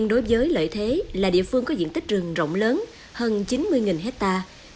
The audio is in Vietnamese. đối với lợi thế là địa phương có diện tích rừng rộng lớn hơn chín mươi hectare